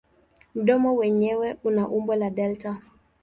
Mdomo wenyewe una umbo la delta.